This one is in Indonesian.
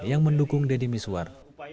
yang mendukung deddy miswar